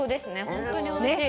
本当においしい。